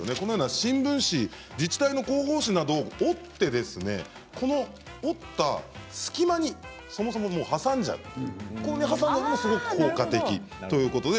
新聞紙や自治体の広報誌などを折って折った隙間にそもそも挟んでしまうのも効果的ということです。